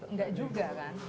nggak juga kan